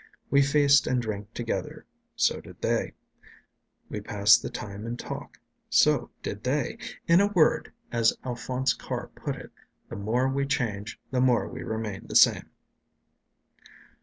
We feast and drink together; so did they. We pass the time in talk; so did they. In a word, as Alphonse Karr put it, the more we change, the more we remain the same.